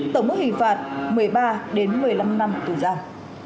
tổng mức hình phạt là một mươi ba một mươi năm năm tù giam